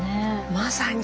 まさに。